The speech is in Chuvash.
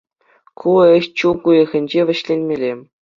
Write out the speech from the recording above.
Ку ӗҫ чӳк уйӑхӗнче вӗҫленмелле.